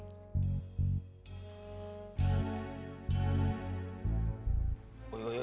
aku mau ke rumah